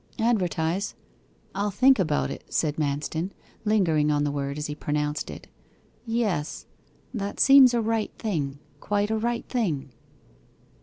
'Advertise. I'll think about it,' said Manston, lingering on the word as he pronounced it. 'Yes, that seems a right thing quite a right thing.